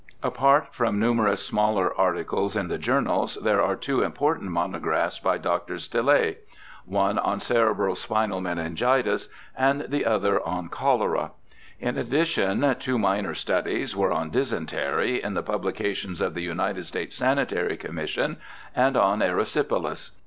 Apart from numerous smaller articles in the journals, there are two important monographs by Dr. Stille — one on Cerebrospinal Meningitis and the other on Cholera. In addition, two minor studies were on Dysentery, in the publications of the United States Sanitary Commission, and on Erysipelas.